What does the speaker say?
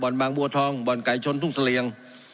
บรรณบางบัวทองบรรณไก่ชนทุ่งศเรียง